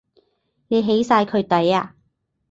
你起晒佢底呀？